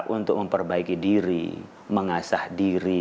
untuk memperbaiki diri mengasah diri